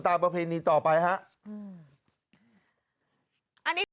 ต่อไปฮะอืม